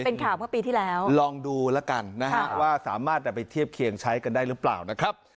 เป็นข่าวเมื่อปีที่แล้วลองดูแล้วกันนะฮะว่าสามารถไปเทียบเคียงใช้กันได้หรือเปล่านะครับ